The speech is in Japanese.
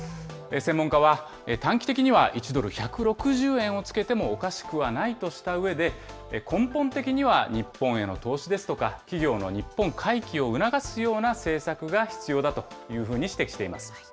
専門家は短期的には１ドル１６０円をつけてもおかしくはないとしたうえで、根本的には日本への投資ですとか、企業の日本回帰を促すような政策が必要だというふうに指摘しています。